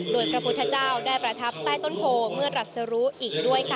โดยพระพุทธเจ้าได้ประทับใต้ต้นโพเมื่อรัสรู้อีกด้วยค่ะ